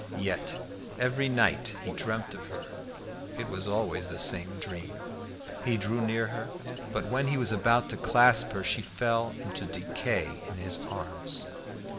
Yet every night he dreamt of her; it was always the same dream. He drew near her, but when he was about to clasp her she fell into decay in his arms.